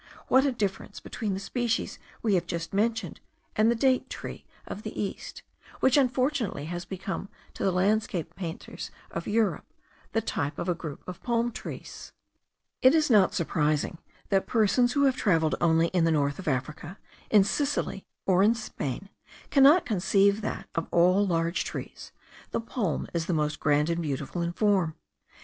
What a difference between the species we have just mentioned, and the date tree of the East, which unfortunately has become to the landscape painters of Europe the type of a group of palm trees! It is not suprising that persons who have travelled only in the north of Africa, in Sicily, or in Spain, cannot conceive that, of all large trees, the palm is the most grand and beautiful in form.